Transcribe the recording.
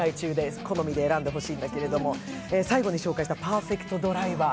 好みで選んでほしいんだけれども、最後に紹介した「パーフェクト・ドライバー」。